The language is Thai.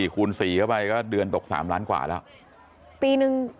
๘๔๐๐๐๐คูณ๔เข้าไปก็เดือนตก๓ล้านกว่าแล้ว